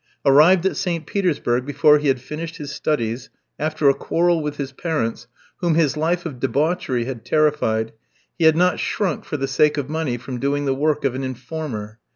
Arrived at St. Petersburg before he had finished his studies, after a quarrel with his parents, whom his life of debauchery had terrified, he had not shrunk for the sake of money from doing the work of an informer.